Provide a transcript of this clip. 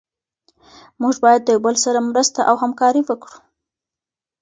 موږ باید د یو بل سره مرسته او همکاري وکړو.